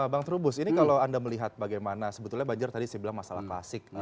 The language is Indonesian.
bang trubus ini kalau anda melihat bagaimana sebetulnya banjir tadi saya bilang masalah klasik